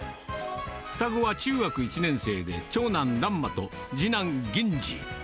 双子が中学１年生で、長男、蘭真と、次男、銀侍。